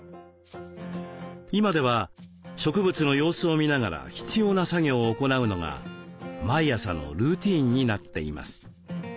今では植物の様子を見ながら必要な作業を行うのが毎朝のルーティンになっています。